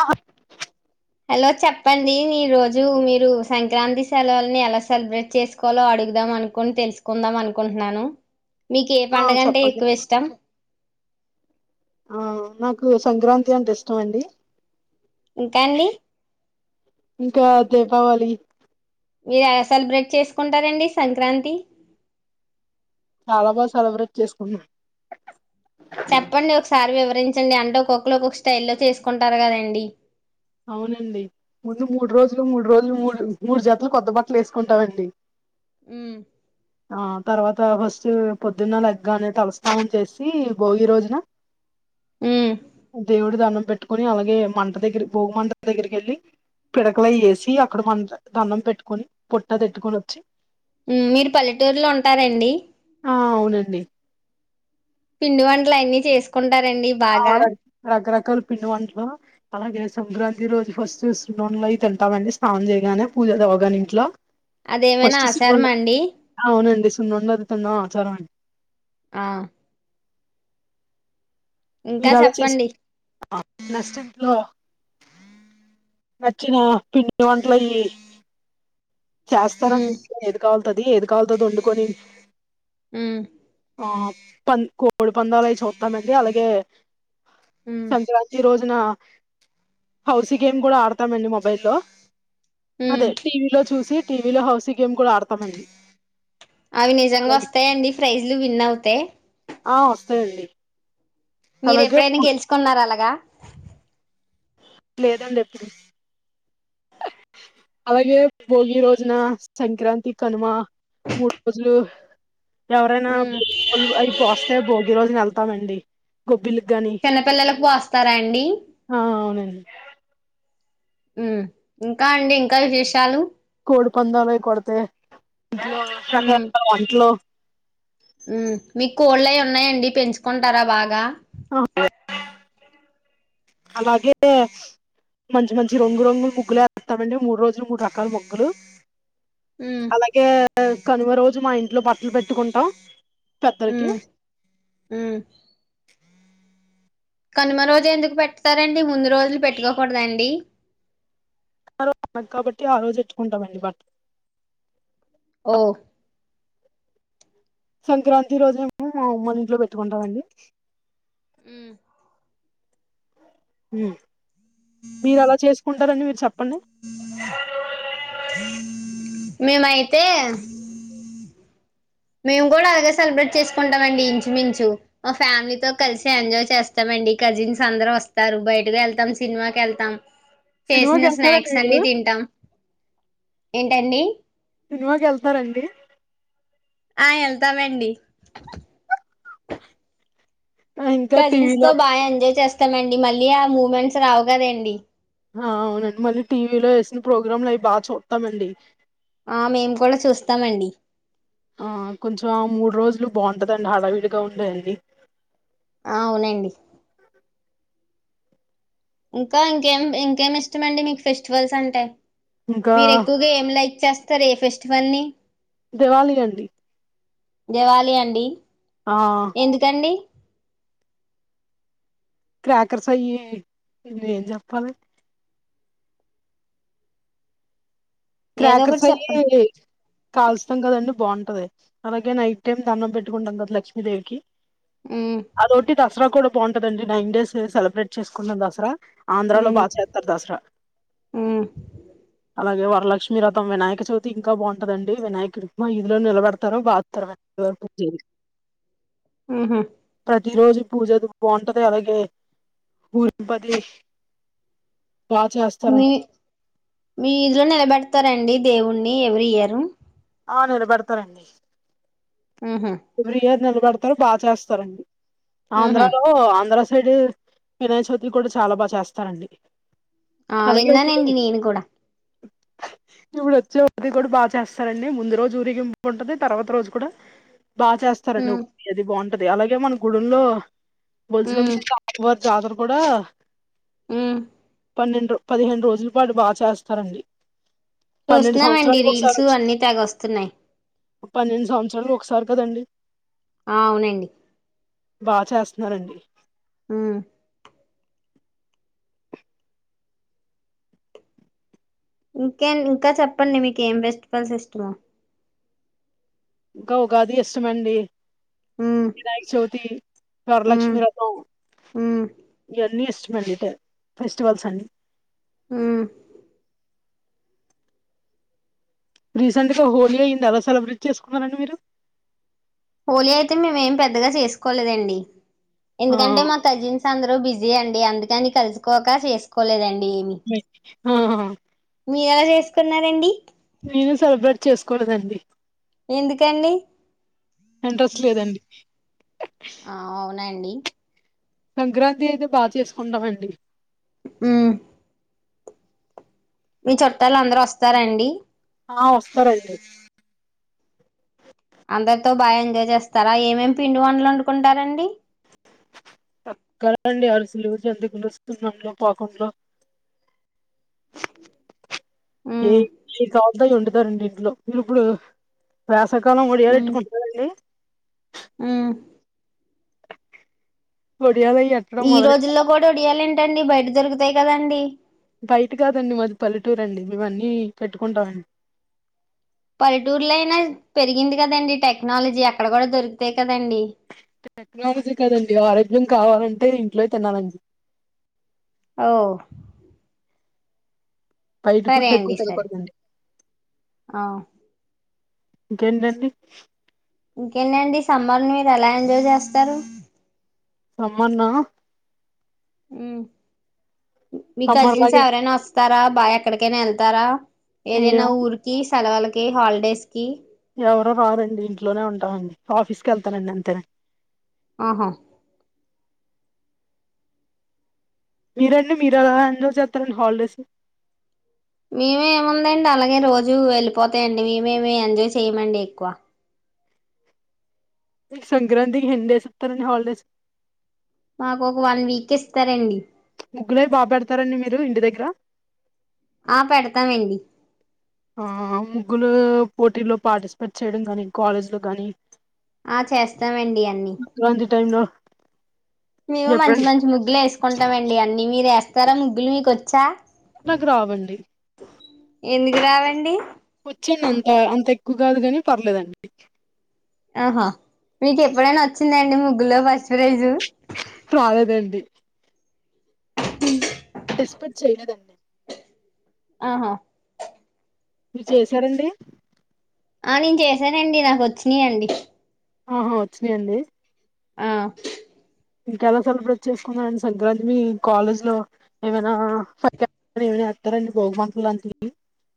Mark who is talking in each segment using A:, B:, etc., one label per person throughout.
A: ఆఆ
B: hello చెప్పండి ఈ రోజు మీరు సంక్రాంతి సెలవుల్ని ఎలా సెలబ్రేట్ చేసుకోవాలో అడుగుదాం అనుకోని తెలుసుకుందాం అనుకుంటున్నాను మీకు ఏ
A: ఆ
B: పడగంటే
A: చెప్పండి
B: ఎక్కువ ఇష్టం
A: ఆ నాకు సంక్రాంతి అంటే ఇష్టం అండి
B: ఇంకా అండి
A: ఇంకా దీపావళి
B: మీరు ఎలా సెలబ్రేట్ చేసుకుంటారండి సంక్రాంతి
A: చాలా బాగా సెలబ్రేట్ చేసుకున్నా
B: చెప్పండి ఒకసారి వివరించండి అంటూ ఒక్కొక్కలు ఒకొక్క స్టైల్లో చేసుకుంటారు కదండి
A: అవునండి ముందు మూడు రోజులు మూడు రోజులు మూడు మూడు జతలు కొత్త బట్టలు వేసుకుంటామండి
B: మ్మ్
A: ఆ తర్వాత ఫస్ట్ పొద్దున్న లెగ్గానే తలస్నానం చేసి భోగి రోజున
B: మ్మ్
A: దేవుడు దన్నం పెట్టుకుని అలాగే మంన్ [unintelligible] భోగీ మంట దగీరికి వెళ్ళి పిడకలయి వేసి అక్కడ మంట దన్నం పెట్టుకొని పొట్ట తట్టుకొని వచ్చి
B: మ్మ్ మీరు పల్లెటూరులో ఉంటారండి
A: ఆ అవునండి
B: పిండి వంటల అన్నీ చేసుకుంట టారండి బాగా
A: ముక్కలు పిండి వంట్లో అలాగే సంక్రాంతి రోజు ఫస్ట్ంలో తింటామండి స్నానం చేయగానే పూజ అవగానే ఇంట్లో
B: అదేమైనా
A: ఫస్ట్
B: ఆశారం
A: సున్నుండ
B: అండి
A: [inaudible] తినడం ఆచారమండి
B: ఆ ఇంకా
A: మీరు అలా చే
B: చెప్పండి
A: నెస్ట్ ఇంట్లో నచ్చిన పిండి వంటల అయ్యి
B: మ్మ్
A: చేస్తారండి మీ ఏది కావాల ది ఏది కాలతో అది వండుకని
B: ఉమ్
A: ఆ ప కోడి పందాలవి చూద్దామండి అలాగే
B: మ్మ్
A: సంక్రాంతి రోజ హౌస్ గేమ్ కూడా ఆడతామండి మొబైల్ లో
B: మ్మ్
A: అదే టీవీలో చూసి టీవీ లో హౌసింగ్ గేమ్ కూడా ఆడతామండి
B: అవి నిజంగా
A: అలాగే
B: వస్తాయిండి ఫ్రై ఇలు విన్వతే
A: ఆ వస్తాయండి
B: మీరు ఎప్పుడైనా
A: అలాగే
B: గెలుచుకున్నర అలాగా
A: లేదండి ఎప్పుడు అలాగే భోగి రోజున సంక్రాంతి కనుమ మూడు రోజులు ఎవరైనా
B: ఉమ్
A: అవి కోస్తయ్ బోక్ ఈరోజున వెళ్తామండి గోబ్బిలు
B: చిన్నపిల్లలకు పోస్తారా అండి
A: ఆ అవునండి
B: ఇంకా అండి ఇంకా విశేషాలు
A: కోడి పందాలువి కొతే ఇట్
B: ఉమ్
A: రకరకాల వంటలో
B: మీకు కోళ్ళవి ఉన్నాయండి పెంచుకుంటారా బాగా
A: ఆహా అలాగే మంచి మంచి రంగు రంగులు ముగ్గులే యేత్తామండి మూడు రోజులు మూడు రకాల ముగ్గులు
B: ఉమ్
A: అలాగే కనుమ రోజు మా ఇంట్లో బట్టలు పెట్టుకుంటాం పెద్దలకి
B: ఉమ్ ఉమ్ కనుమ రోజు ఎందుకు పెట్టతారండి ముందు రోజులు పెట్టుకోకూడదా అండి
A: [inaudible] కాబట్టి ఆ రోజు ఎట్టుకుంటామండి బట్
B: ఓ
A: సంక్రాంతి రోజు మేము మన ఇంట్లో పెట్టుకుంటామండి.
B: హ్మ్
A: హ్మ్ మీరు ఎలా చేసుకుంటారండి మీరు ప్పండి
B: మేమైతే మేము కూడా అలాగే సెలబ్రేట్ చేసుకుంటామండి. ఇంచుమించు మా ఫ్యామిలీతో కలిసి ఎంజాయ్ చేస్తామండి. కజిన్స్ అందరూ వస్తారు. బయటకు వెళ్తాం. సినిమాకి వెళ్తాం.
A: సినిమాకి
B: చేసిన
A: వెళ్తారండి
B: స్నాక్స్
A: మీరు
B: అన్ని తింటాం ఏంటండి
A: సినిమాకెళ్తారా అండి
B: ఆ వెళ్తామండి
A: ఆ! ఇంకా
B: కజిన్స్ తో
A: టీవీలో
B: బా ఎంజాయ్ చేస్ స్తమండి మళ్ళీ ఆ మూమెంట్స్ రావు కదండి.
A: ఆ అవునండి మళ్ళీ టీవీలో వేసిన ప్రోగ్రామ్లు అయి బా చూత్తామండి.
B: ఆ మేము కూడా చూస్తామండి
A: ఆ కొంచెం ఆ మూడు రోజులు బావుంటదండి హడావిడిగా ఉండేయండి.
B: ఆ అవునండి ఇంకా ఇంకేం ఇంకేమి ఇష్టమండి మీకు ఫెస్టివల్స్ అంటే
A: ఇంకా
B: మీరు ఎక్కువగా ఏం లైక్ చేస్తారు ఏ ఫెస్టివల్ ని
A: దివాలి అండి
B: దివాలి అండి
A: ఆ
B: ఎందుకండి
A: క్రాకర్స్ అయి ఇ ఏం చెప్పాలి
B: ఏదో
A: క్రాకర్స్
B: ఒకటి చెప్పండి
A: అయ్యి కాలుస్తాం కదండి బావుంటది అలాగే నైట్ టైమ్ దండం పెట్టుకుంటాం కద లక్ష్మీదేవికి
B: మ్మ్
A: అదోటి దసరా కూడా బావుంటదండి నైన్ డేస్ సెలబ్రేట్ చేసుకుంటం దసరా ఆంధ్రాలో బా
B: మ్మ్
A: చేత్తారు దసరా
B: మ్మ్
A: అలాగే వ లక్ష్మీరథం వినాయక చవితి ఇంకా బావుంటదండి వినాయక రుక్మ ఈదిలో నిలబెడతారు బాధతారు [unintelligible]
B: ఊహూ
A: ప్రతి రోజూ పూజా అది బావుంటది అలాగే [unintelligible]
B: మీ
A: చేస్తారండి
B: మీ వీధిలో నిలబెడ తారండి దేవుణ్ణి ఎవ్రీ ఇయరు
A: ఆ నిలబడతరండి
B: మ్హు
A: ఎవ్రీ ఇయర్ నిల బెడతారు బా చేస్తారండి
B: మ్హు
A: ఆంధ్రాలో ఆంధ్ర [unintelligible] వినాయక చవితిలు కూడా చాలా బా చేస్తారండి
B: ఆ
A: అలాగే ఇప్పుడు
B: విన్నానండి నేను కూడా
A: ఇప్పుడు వచ్చేది కూడా బా చేస్తారండి ముందు రోజు ఊరేగింపు ఉంటది తర్వాత రోజు కూడా బా చేస్తారండి
B: ఉమ్
A: [unintelligible] అది బాన్ టుద్ది అలాగే మన గుడుల్లో
B: ఉమ్
A: [unintelligible] జార కూడా
B: ఉమ్మ్
A: పన్నెండు పదిహేను రోజుల పాటు బా చేస్తారండి పన్నెండు
B: చూస్తున్నామండి
A: సంవత్సరాలకు ఒకసారి
B: రీల్స్
A: వచ్చి
B: అన్నీ తెగ వస్తున్నాయి
A: పన్నెండు సంవత్సరాలుకు ఒకసారి కదండి
B: ఆ అవునండి
A: బా చేస్తున్నారండి
B: హ్మ్ ఇంకేం ఇంకా చెప్పండి మీకేం ఫెస్టివల్స్ ఇష్టమో
A: ఇంక ఉగాది ఇష్టమండి
B: ఉమ్
A: వినాయక చవితి
B: ఉమ్
A: వరలక్ష్మి వ్రతం
B: ఉమ్
A: ఇయన్నీ ఇష్టమండి [unintelligible] ఫెస్టివల్స్ అండి
B: ఉమ్మ్
A: రీసెంట్ గా హోలీ అయ్యింది ఎలా సెలబ్రేట్ చేసుకున్నారండి మీరు
B: హోలీ అయితే మేం ఏం పెద్దగా చేసుకోలేదండి
A: ఆ
B: ఎందుకంటే మా కజిన్స్ అందరూ బిజ్ జీ అండి అందుకని కలుసుకోక చేసుకోలేదన్
A: మి ఆ ఆ
B: మీరెలా చేసుకున్నారండి
A: సెలబ్రేట్ చేసుకోలేదండి
B: ఎందుకండి
A: ఇంట్రెస్ట్ లేదండి
B: ని
A: సంక్రాంతి అయితే బా చేసుకుంటామండి
B: ఊ మీ చుట్టాలు అందరూ వస్తారా అండి
A: ఆ వస్తారండి
B: అందరితో బా ఎంజాయ్ చేస్తారా ఏమేం పిండి వంటలు వండుకుంటారండి
A: [unintelligible] అండి అరిశెలు‌ జంతికలు సున్నుండలు పాకుండలు ఏ
B: ఉమ్
A: [unintelligible] [unintelligible] వొండుతారండి ఇంట్లో మీరు ఇప్పుడు పా షాకాలం ఓడియాలెట్టుకు [inaudible]
B: ఊమ్మ్
A: ఒడియాలు అయి ఎట్టడం
B: ఈ రోజుల్లో
A: మొదలెట్టారా
B: కూడా ఒడియాల్ ఏంటండి బయట దొరు అంతే కదండి
A: బయట కాదండి మాది పల్లెటూరు అండి మేము అన్నీ పెట్టుకుంటామన్.
B: పల్లెటూర్లోయినా పెరిగింది కదండి టెక్నాలజీ అక్కడ కూడా దొరుకుతాయి కదండి
A: టెక్నాలజీ కదండి ఆరోగ్యం కావాలంటే ఇంట్లో యి తినాలండి
B: ఓ
A: బయట
B: సరే
A: ఫుడ్ ఎక్కువ
B: అండి సరే
A: తినకూడదండి
B: ఆ
A: ఇంకేంటండి
B: ఇంకేంటండి సమ్మర్ని మీరు ఎలా ఎంజాయ్ చేస్తారు
A: సమ్మర్ నా
B: మ్ మీ
A: సమ్మర్
B: కజిన్స్
A: లాగే
B: ఎవరైనా వస్ స్తారా బా ఎక్కడికైనా వెళ్తారా ఏదైనా
A: ఏమో
B: ఊరుకి స్ సెలవులకి హాలిడేస్కి
A: ఎవరూ రారండి ఇంట్లోనే ఉంటామండి ఆఫీస్కి వెళ్తానండి అంతేనే
B: ఆహా
A: మీరండి మీర్ ఎలా ఎంజాయ్ చేస్తారండి హాలిడేస్
B: మీమే ఏముందండి అలాగే రోజు వెళ్ళిపోతాయంండి మేమేమి ఎంజాయ్ చేయ్యమండి ఎక్కువ
A: మిక్ సంక్రాంతి కి ఎన్ని డేస్ ఇత్తరండి హాలిడేస్
B: మాకు ఒక వన్ వీక్ ఇస్తారండి
A: ముగ్గులవి బా పెడతారండి మీరు ఇంటి దగ్గర
B: ఆ పెడతాంవండి
A: ఆ ముగ్గులు పోటీలో పార్టిసిపేట్ చేయడం గానీ కాలేజ్ లో గానీ
B: ఆ చేస్తామండి అన్నీ,
A: ఇలాంటి టైమ్ లో
B: మేము మంచి
A: ఎప్పుడైనా
B: మంచి ముగ్గులు వేసుకుంటామండి అన్నీ మీర్ ఏస్ తర ముగ్గులు మీక్ వచ్చా
A: నాకు రావండి
B: ఎందుకు రావండి
A: వచ్చాను అంత అంత ఎక్కువ కాదు కాని పర్లేదండి
B: ఆహా మీకు ఎప్పుడైనా వచ్చిందండి ముగ్గులో ఫస్
A: రాలేదండి
B: ఉమ్
A: పార్టిసిపేట్ చేయలేదండి
B: ఆహా
A: మీర్ చేసారండి
B: ఆ నేను చేసానండి నాకు వచ్చినాయి అండి
A: ఆహా వచ్చినాయండి
B: ఆ
A: ఇంకెలా సెలబ్రేట్ చేసుకున్నాండి సంక్రాంతి మీ కాలేజ్ లో, ఏమైనా సంక్రాంతి ఏమైనా ఏత్తరండి భోగమంట లాంటివి.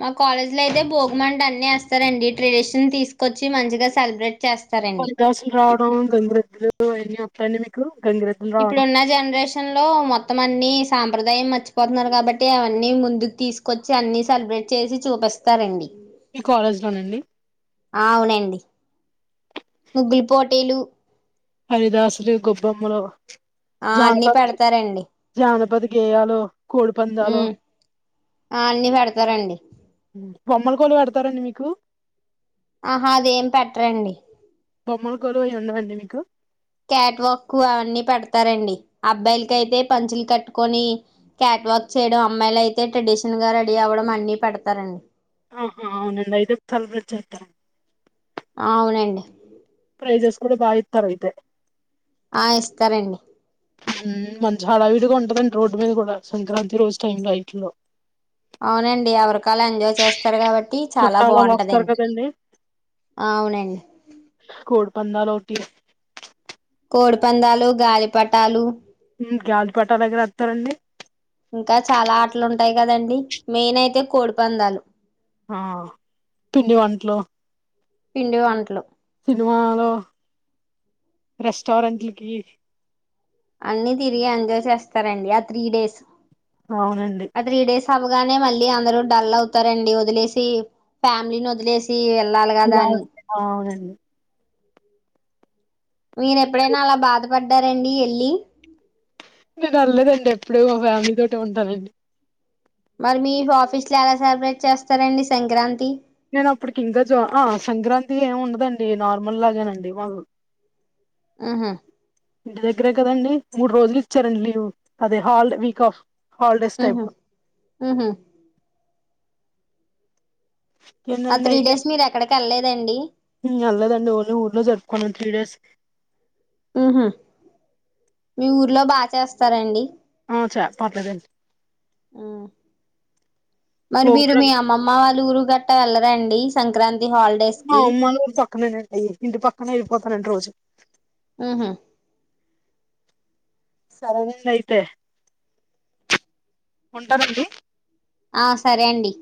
B: మా కాలేజ్ లో అయితే భోగమంట అన్ని ఏస్తారండి ట్రెడిషన్ తీసుకొచ్చి మంచిగా సెలబ్రేట్ చేస్తారండి
A: పరిదసు రావడం గంగలు ఎన్ని అప్లయింది మీకు గంగిరెద్దులు
B: ఇప్పుడు
A: రావడం
B: ఉన్న జనరేషన్ లో మొత్తం అన్ని సాంప్రదాయం మర్చిపోతున్నారు కాబట్టి అవన్నీ ముందుకు తీసుకొచ్చి అన్ని సెలబ్రేట్ చేసి చూపిస్తారండి
A: అవునండి
B: అవునండి ముగ్గులు పోటీలు
A: అదిదాసులు గొబ్బమ్మలు
B: ఆ అన్ని
A: జానపతి
B: పెడతారండి
A: జానపతి గేయాలో కోడి పందలో
B: ఉమ్ ఆ అన్ని పెడతారండి
A: బొమ్మల కోళ ఆడతా వస్తారండి మీకు
B: ఆహా అదేం పెట్టరండి
A: బొమ్మల కోలు అయి ఉండవండి మీకు
B: క్యాట్ వాక్ అవన్నీ పెడతారండి అబ్బాయిలక అయితే పంచులు కట్టుకొని క్యాట్ వాక్ చేయడం అమ్మాయిలు అయితే ట్రెడిషన్ల్ గా రెడీ అవ్వడం అన్ని పెడతారండి
A: ఆహా అవునంద ఐదుకు [unintelligible] సల రజతా
B: అవునండి
A: ప్రైజెస్ కూడా బాగా ఇద్దరూ అయితే
B: ఆ ఇస్తారండి
A: మంచి హడావిడిగా ఉంటదండి రోడ్డు మీద కూడా సంక్రాంతి రోజు నైట్ లో
B: అవునండి ఎవరు రకాల ఎంజాయ్ చేస్తారు కాబట్టి చాలా
A: చుట్టాలు వాళ్ళు వస్తారు
B: బాగుంటందండి
A: కదండి
B: అవునండి
A: బందరోటి
B: కోడి పందాలు గాలిపటాలు
A: పటాల దగ్గర వస్తారండి
B: ఇంకా చాలా ఆటలుంటాయి కదండి నేను అయితే కోడి పందాలు
A: ఆ పిండి వంటలు
B: పిండి వంటలు
A: సినిమాలో [unintelligible] రెస్టారెంట్లకి
B: అన్నన్ని తిరిగి ఎంజాయ్ చేస్తారండి ఆ త్రీ డేస్
A: అవునండి
B: చవగానే మళ్ళీ అందరు డల్ అవుతారండి వదిలేసి ఫ్యామిలీని వదిలేసి వెళ్ళాలి కదా
A: అలా-
B: అని
A: అవునండి
B: మీరు ఎప్పుడైనా అలా బాధపడ్డారండి వెళ్లి
A: మీరు అల్లేదండి ఎప్పుడ మా ఫ్యామిలీ తోట ఉంటానండి
B: మరి మీ ఆఫీస్ లో ఎలా సెలబ్రేట్ చేస్తారండి సంక్రాంతి
A: నేను అప్పుడుకి ఇంకా జ సంక్రాంతి ఏమి ఉండదండి నార్మల్ లాగేనండి మా
B: ఆహా
A: దగ్గరే కదం మూడు రోజలు ఇచ్చారండి లీవ్ అదే హాల్ వీక్ ఆఫ్ హాలిడేస్
B: ఉహు
A: టైప్
B: ఉహు
A: ఎన్ని
B: ఆ
A: ఉన్నాయి
B: త్రీ
A: ఇట్లే
B: డేస్ మీరు ఎక్కడికి వెళ్ళలేదండి
A: హు అల్లరండి ఓన్లీ ఊర్లో జరుపుకోన్నాం త్రీ డేస్
B: ఉహు మీ ఊర్లో బాగా చేస్తారండి
A: ఆ చ పర్లేదండి
B: మరి మీరు
A: భోగి
B: మీ అమ్మ అమ్మ వాళ్ లు ఊరు గట్ట వెళ్లరండి సంక్రాంతి హాలిడేస్ కి
A: ఉమ్మలు ఊరు పక్కననండి అయ్య ఇంటి పక్కనే వెళ్ళపోతానండి రోజు
B: ఆహా
A: సరేనండి అయితే ఉంటదండి
B: ఆ సరే అండి